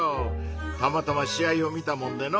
たまたま試合を見たもんでの。